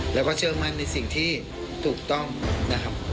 แล้วก็เชื่อมั่นในสิ่งที่ถูกต้องนะครับ